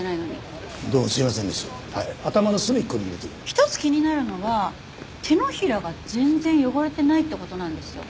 一つ気になるのは手のひらが全然汚れてないって事なんですよ。